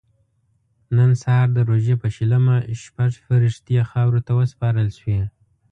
نن سهار د روژې په شلمه شپږ فرښتې خاورو ته وسپارل شوې.